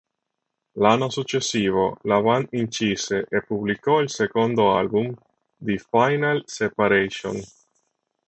L'anno successivo la band incise e pubblicò il secondo album, The Final Separation.